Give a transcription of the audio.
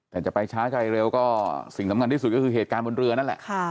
แต่จะไปช้าไปเร็วก็สิ่งสำคัญที่สุดก็คือเหตุการณ์บนเรือนั่นแหละ